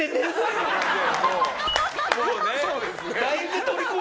そうですね。